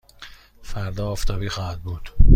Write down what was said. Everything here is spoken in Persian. فردا آفتابی خواهد بود.